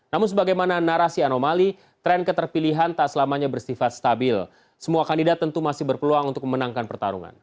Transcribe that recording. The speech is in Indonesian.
namun sebagaimana narasi anomali tren keterpilihan tak selamanya bersifat stabil semua kandidat tentu masih berpeluang untuk memenangkan pertarungan